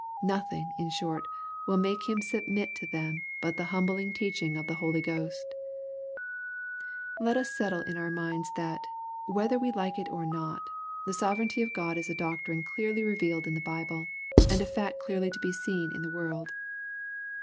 Nothing, in short, will make him sub rait to them but the humbling teaclnngof the Holy Ghost, Let us settle it in our minds that, whether we like it or not, the sovereignty of God is a doctrine clearly re vealed in the Bible, and a^faet clearly to be seen in the world.